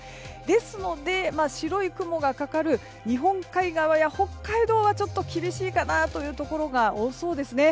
ですので、白い雲がかかる日本海側や北海道はちょっと厳しいかなというところが多そうですね。